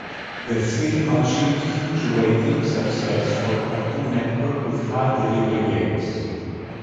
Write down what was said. The film achieved huge ratings success for Cartoon Network with high delivery gains.